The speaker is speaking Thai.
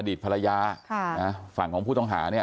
ตภรรยาฝั่งของผู้ต้องหาเนี่ย